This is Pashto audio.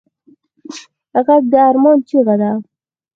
غږ د ارمان چیغه ده